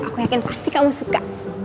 aku yakin pasti kamu suka